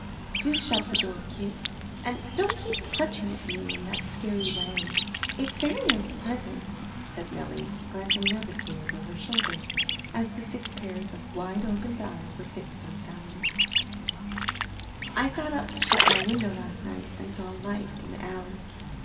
"Do shut the door, Kit, and don't keep clutching at me in that scary way; it's very unpleasant," said Nelly, glancing nervously over her shoulder as the six pairs of wide opened eyes were fixed on Sally. "I got up to shut my window last night, and saw a light in the alley.